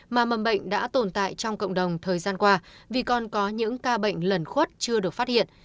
mà mầm bệnh đã tồn tại trong cộng đồng thời gian qua vì còn có những ca bệnh lần khuất chưa được phát hiện